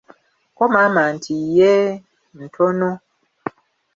Ko maama nti, yeee, ntono.